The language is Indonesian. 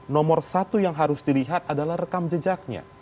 nomor satu yang harus dilihat adalah rekam jejaknya